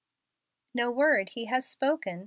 " No word He hath spoken.